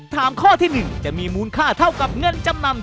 ถามข้อที่๑จะมีมูลค่าเท่ากับเงินจำนำ